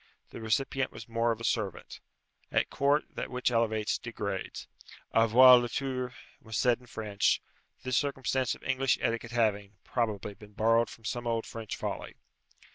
The recipient was more of a servant. At court that which elevates, degrades. Avoir le tour was said in French; this circumstance of English etiquette having, probably, been borrowed from some old French folly.